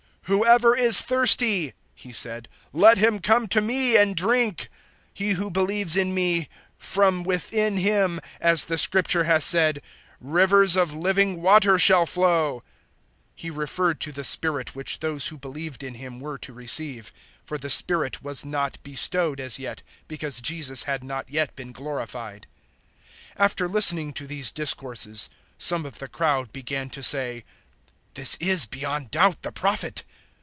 "Whoever is thirsty," He said, "let him come to me and drink. 007:038 He who believes in me, from within him as the Scripture has said rivers of living water shall flow." 007:039 He referred to the Spirit which those who believed in Him were to receive; for the Spirit was not bestowed as yet, because Jesus had not yet been glorified. 007:040 After listening to these discourses, some of the crowd began to say, "This is beyond doubt the Prophet."